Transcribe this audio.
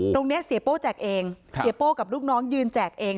เสียโป้แจกเองเสียโป้กับลูกน้องยืนแจกเอง